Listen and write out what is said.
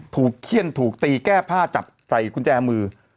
เขี้ยนถูกตีแก้ผ้าจับใส่กุญแจมือ